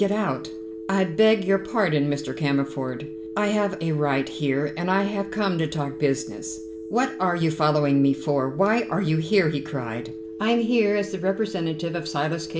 Get out." "I beg your pardon, Mr. Cammerford, I have a right here, and I have come to talk business." "What are you following me for? Why are you here?" he cried. "I am here as the representative of Silas K.